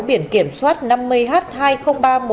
biển kiểm soát năm mươi h hai mươi nghìn ba trăm một mươi hai